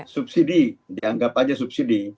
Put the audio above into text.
subsidi dianggap saja subsidi